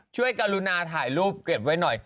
ช่วยการุณาถ่ายรูปเกร็ดไว้หน่อย